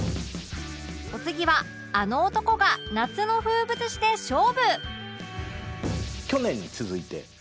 お次はあの男が夏の風物詩で勝負！